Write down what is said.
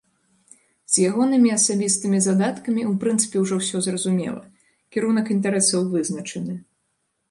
З ягонымі асабістымі задаткамі ў прынцыпе ўжо ўсё зразумела, кірунак інтарэсаў вызначаны.